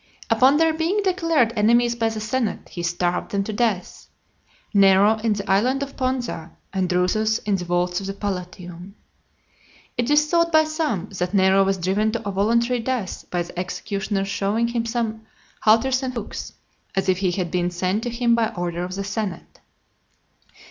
Upon their being declared enemies by the senate, he starved them to death; Nero in the island of Ponza, and Drusus in the vaults of the Palatium. It is thought by some, that Nero was driven to a voluntary death by the executioner's shewing him some halters and hooks, as if he had been sent to him by order of the senate.